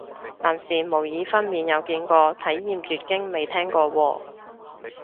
男士模擬分娩有見過，體驗月經未聽過喎